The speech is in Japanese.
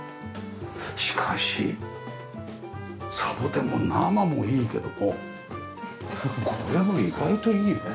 しかしサボテンも生もいいけどもこれも意外といいよね。